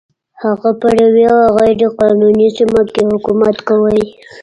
هغه پر یوې غیر قانوني سیمه کې حکومت کاوه.